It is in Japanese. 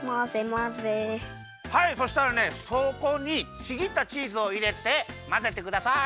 はいそしたらねそこにちぎったチーズをいれてまぜてください。